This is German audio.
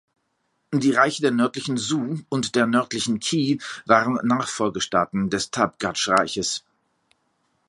Die Reiche der nördlichen Zhou und der nördlichen Qi waren Nachfolgestaaten des Tabgatsch-Reiches.